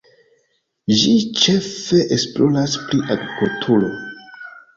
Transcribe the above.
Ĝi ĉefe esploras pri agrikulturo.